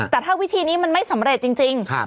แต่ถ้าวิธีนี้มันไม่สำเร็จจริง